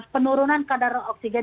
penurunan kadar oksigen